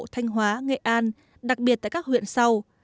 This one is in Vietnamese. thanh hóa nghệ an đặc biệt tại các huyện sau